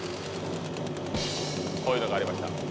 こういうのがありました。